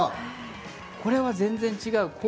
これは全然違う。